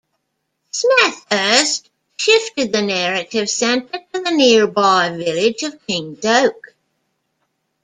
Smethurst shifted the narrative centre to the nearby village of King's Oak.